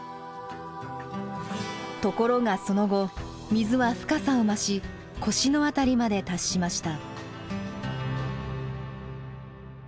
ところがその後水は深さを増し腰の辺りまで達しました。